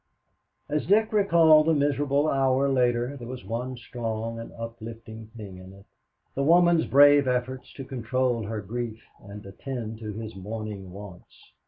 As Dick recalled the miserable hour later, there was one strong and uplifting thing in it the woman's brave efforts to control her grief and attend to his morning wants.